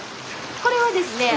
これはですね